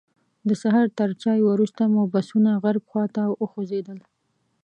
د سهار تر چایو وروسته مو بسونه غرب خواته وخوځېدل.